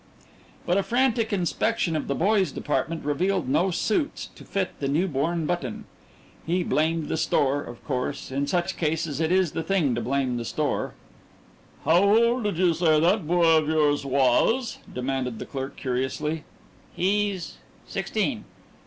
But a frantic inspection of the boys' department revealed no suits to fit the new born Button. He blamed the store, of course in such cases it is the thing to blame the store. "How old did you say that boy of yours was?" demanded the clerk curiously. "He's sixteen."